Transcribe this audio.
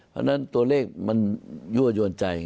เพราะฉะนั้นตัวเลขมันยั่วยวนใจ